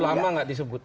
ulama nggak disebut